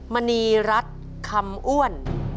มณีรัฐคำอ้วน